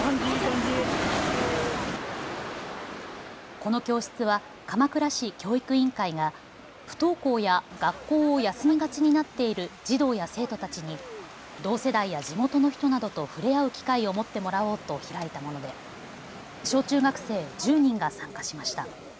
この教室は鎌倉市教育委員会が不登校や学校を休みがちになっている児童や生徒たちに同世代や地元の人などと触れ合う機会を持ってもらおうと開いたもので小中学生１０人が参加しました。